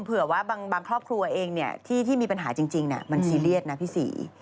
เผื่อว่าบางครอบครัวเองที่มีปัญหาจริงมันซีเรียสนะพี่ศรี